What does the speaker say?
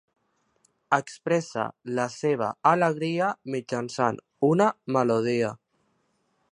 Expressa la seva alegria mitjançant una melodia.